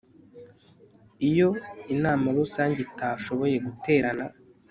iyo inama rusange itashoboye guterana